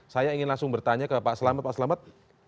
saya ingin langsung bertanya ke pak selamat